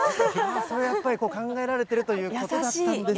やっぱり、考えられているということだったんです。